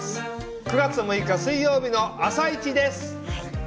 ９月６日水曜日の「あさイチ」です。